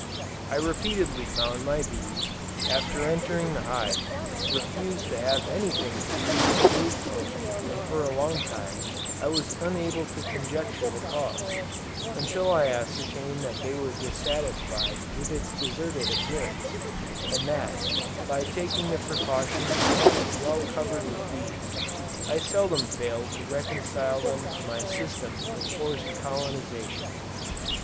I repeatedly found my bees, after entering the hive, refuse to have anything to do with the brood comb, and for a long time, I was unable to conjecture the cause; until I ascertained that they were dissatisfied with its deserted appearance, and that, by taking the precaution to have it well covered with bees, I seldom failed to reconcile them to my system of forced colonization.